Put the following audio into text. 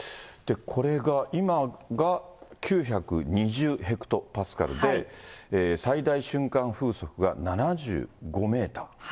これが、今が９２０ヘクトパスカルで、最大瞬間風速が７５メーター。